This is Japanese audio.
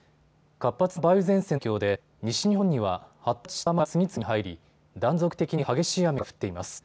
活発な梅雨前線の影響で西日本には発達した雨雲が次々に入り断続的に激しい雨が降っています。